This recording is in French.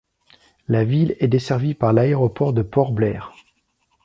La ville est desservie par l'aéroport de Port Blair.